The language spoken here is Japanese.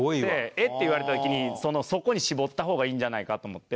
絵って言われた時にそこに絞った方がいいんじゃないかと思って。